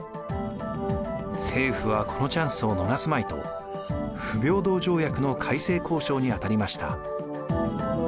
政府はこのチャンスを逃すまいと不平等条約の改正交渉に当たりました。